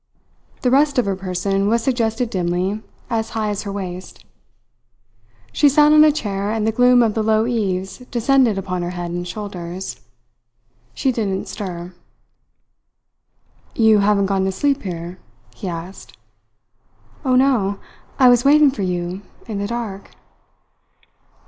The rest of her person was suggested dimly as high as her waist. She sat on a chair, and the gloom of the low eaves descended upon her head and shoulders. She didn't stir. "You haven't gone to sleep here?" he asked. "Oh, no! I was waiting for you in the dark."